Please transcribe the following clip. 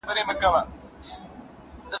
که معلومات کره وي، نو تحليل سم وي.